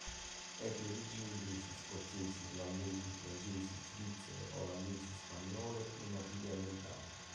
È di origini inglesi, scozzesi, irlandesi, francesi, svizzere, olandesi, spagnole e native americane.